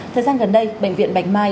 thời gian gần đây bệnh viện bạch mai